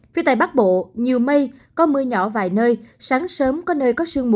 phía tây bắc bộ nhiều mây có mưa nhỏ vài nơi sáng sớm có nơi có sương mù